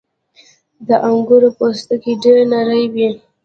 • د انګورو پوستکی ډېر نری وي.